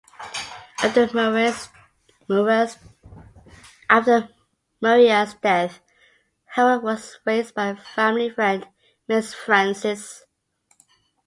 After Maria's death, Harriot was raised by a family friend, Mrs. Francis.